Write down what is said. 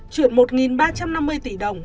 chuyển một ba trăm năm mươi tỷ đồng